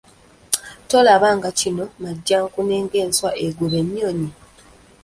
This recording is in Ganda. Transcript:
Tolaba nga kino Majjankunene ng'enswa egoba ennyonyi?